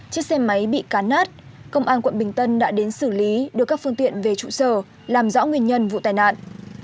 chiếc xe máy bị cán nát công an quận bình tân đã đến xử lý đưa các phương tiện về trụ sở làm rõ nguyên nhân vụ tai nạn